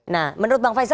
nah menurut bang faisal